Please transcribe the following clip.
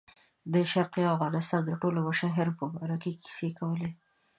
د شرقي افغانستان د ټولو مشاهیرو په باره کې کیسې کولې.